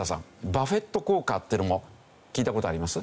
バフェット効果っていうのも聞いた事あります？